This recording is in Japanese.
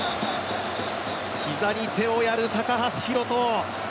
膝に手をやる高橋宏斗。